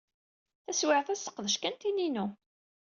Taswiɛt-a, sseqdec kan tin-inu.